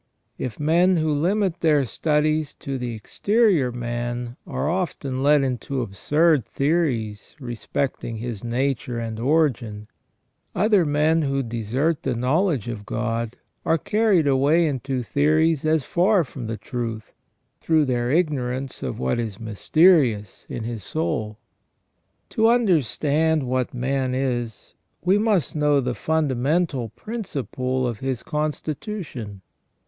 If men who limit their studies to the exterior man are often led into absurd theories respecting his nature and origin, other men who desert the knowledge of God are carried away into theories as far from the truth, through their ignorance of what is mysterious in his soul. To understand what man is, we must know the fundamental principle of his constitution.